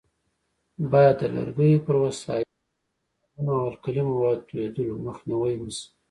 باید د لرګیو پر وسایلو د تیزابونو او القلي موادو توېدلو مخنیوی وشي.